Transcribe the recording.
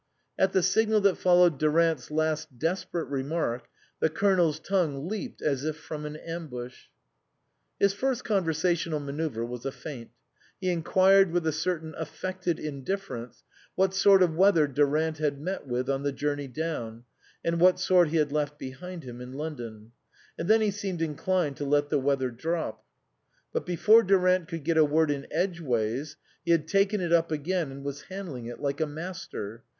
At the signal that followed Durant's last desperate remark the Colonel's tongue leaped as from an ambush. His first conversational manoauvre was a feint. He inquired, with a certain affected indifference, what sort of weather Durant had met with on the journey down, and what sort he had left behind him in London ; and then he seemed inclined to let the weather drop. But before Durant could get a word in edgeways he had taken it up again and was handling it like a master.